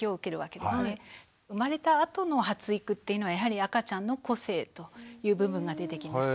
生まれたあとの発育っていうのはやはり赤ちゃんの個性という部分が出てきます。